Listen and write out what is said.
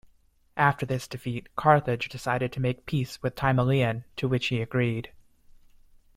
After this defeat Carthage decided to make peace with Timoleon, to which he agreed.